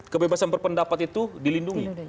kebebasan berpendapat itu dilindungi